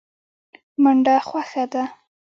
منډه خوښه ده.